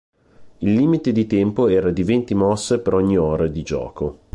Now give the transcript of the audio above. Il limite di tempo era di venti mosse per ogni ora di gioco.